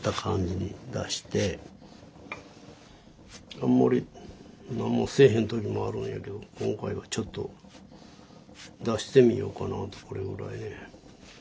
あんまり何もせえへんときもあるんやけど今回はちょっと出してみようかなとこれぐらいね。